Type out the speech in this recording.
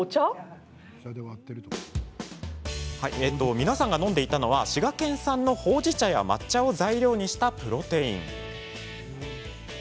皆さんが飲んでいたのは滋賀県産のほうじ茶や抹茶を材料にしたプロテイン。